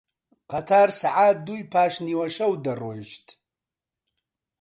قەتار سەعات دووی پاش نیوەشەو دەڕۆیشت